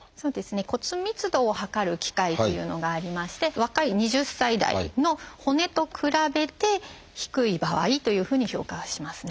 骨密度を測る機械っていうのがありまして若い２０歳代の骨と比べて低い場合というふうに評価はしますね。